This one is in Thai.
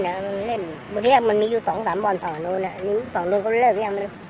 มันเล่นบทที่อ่ะมันมีอยู่สองสามบอลสองโน้นอ่ะนี่สองโน้นก็เลิกยัง